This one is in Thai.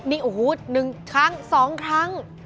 นี่โอ้โหหนึ่งครั้งสองครั้ง